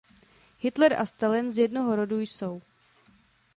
Hitler a Stalin z jednoho rodu jsou.